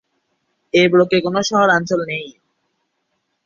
এই ব্লকে কোনো শহরাঞ্চল নেই।